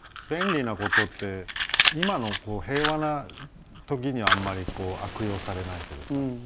便利なことって今の平和なときにはあんまり悪用されないけどさ